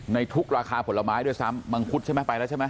ในทุกราคาผลไม้ด้วยซ้ำมังคุดใช่ไหมไปแล้วใช่ไหม